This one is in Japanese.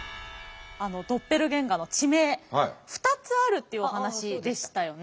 ドッペルゲンガーの地名２つあるというお話でしたよね。